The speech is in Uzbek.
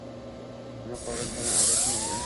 Nima qorin tana a'zosi emasmi?